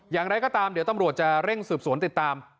อย่างไรก็ตามเดี๋ยวตำรวจจะเร่งสืบสวนติดตาม